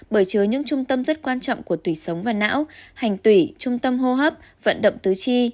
bởi chứa những trung tâm rất quan trọng của tủy sống và não hành tủy trung tâm hô hấp vận động tứ chi